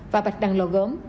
và bạch đằng lò gốm